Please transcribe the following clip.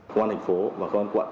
cơ quan thành phố và cơ quan quận